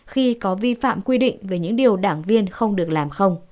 khi có vi phạm quy định về những điều đảng viên không được làm không